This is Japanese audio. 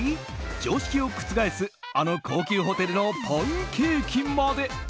常識を覆すあの高級ホテルのパンケーキまで。